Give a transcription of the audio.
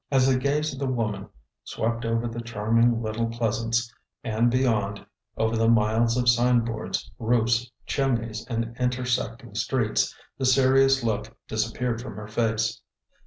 As the gaze of the woman swept over the charming little pleasance, and beyond, over the miles of sign boards, roofs, chimneys, and intersecting streets, the serious look disappeared from her face.